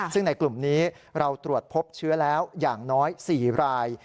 ซึ่งในกลุ่มนี้เราตรวจพบเชื้อแล้วอย่างน้อย๔ราย